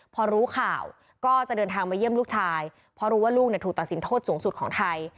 พอรู้ข่าวก็จะเดินทางมาเยี่ยมลูกชายเพราะรู้ว่าลูกถูกตัดสินโทษสูงสุดของไทย